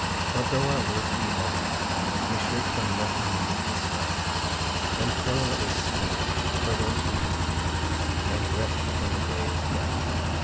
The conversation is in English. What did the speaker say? What though our work he heavy, we shirkFrom nothing beneath the sun; And toil is sweet to those who can eatAnd rest when the day is done.